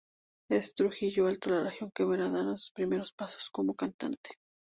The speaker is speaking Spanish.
Es Trujillo alto la región que verá dar sus primeros pasos como cantante.